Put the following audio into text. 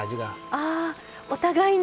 あお互いに。